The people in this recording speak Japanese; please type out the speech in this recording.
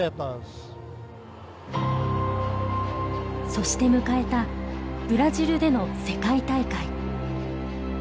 そして迎えたブラジルでの世界大会。